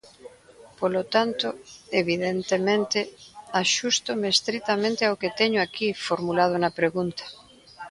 Polo tanto, evidentemente, axústome estritamente ao que teño aquí formulado na pregunta.